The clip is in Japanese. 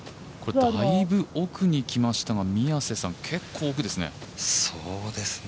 だいぶ奥にきましたが結構奥ですね。